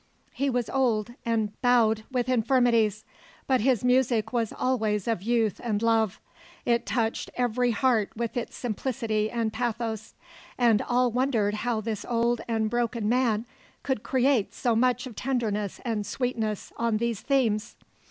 He was old and bowed with infirmities, but his music was always of youth and love; it touched every heart with its simplicity and pathos, and all wondered how this old and broken man could create so much of tenderness and sweetness on these themes.